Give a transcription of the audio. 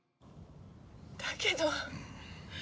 だけど。